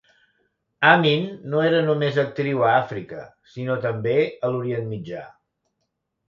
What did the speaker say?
Amin no només era actiu a Àfrica, sinó també a l'Orient Mitjà.